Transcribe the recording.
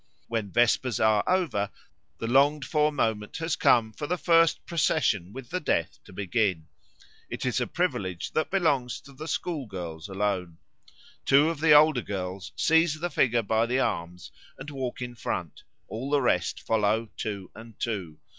When vespers are over, the longed for moment has come for the first procession with the Death to begin; it is a privilege that belongs to the school girls alone. Two of the older girls seize the figure by the arms and walk in front: all the rest follow two and two.